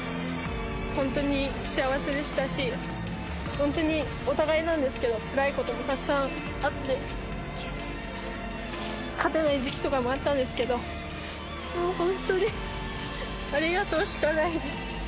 本当に幸せでしたし、本当にお互いなんですけど、つらいこともたくさんあって、勝てない時期とかもあったんですけど、本当にありがとうしかないです。